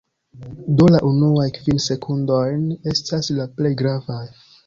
Do la unuaj kvin sekundojn estas la plej gravaj